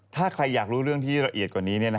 ถ้าใครอยากรู้เรื่องที่ละเอียดกว่านี้